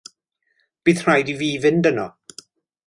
Bydd rhaid i fi fynd yno.